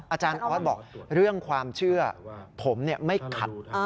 อาจารย์ออสบอกเรื่องความเชื่อผมไม่ขัด